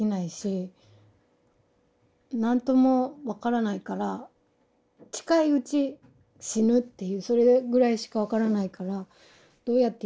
何とも分からないから近いうち死ぬっていうそれぐらいしか分からないからどうやって生きるのかすぐ考えて。